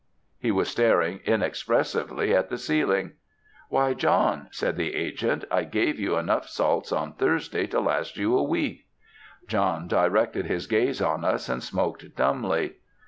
He was staring inexpressively at the ceiling. "Why, John," said the agent, "I gave you enough salts on Thursday to last you a week." John directed his gaze on us, and smoked dumbly.